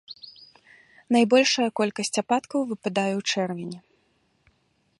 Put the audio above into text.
Найбольшая колькасць ападкаў выпадае ў чэрвені.